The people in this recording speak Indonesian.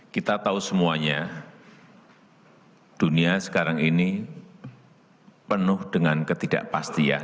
kita tahu semuanya dunia sekarang ini penuh dengan ketidakpastian